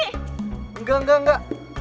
enggak enggak enggak